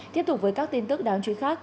tiếp tục với các tin tức đáng chú ý khác